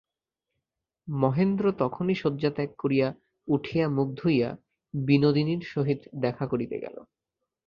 মহেন্দ্র তখনই শয্যাত্যাগ করিয়া উঠিয়া মুখ ধুইয়া বিনোদিনীর সহিত দেখা করিতে গেল।